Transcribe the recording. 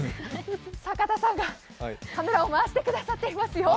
坂田さんがカメラを回してくださっていますよ。